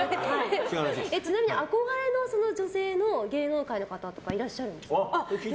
ちなみに憧れの女性の芸能界の方とかいらっしゃるんですか？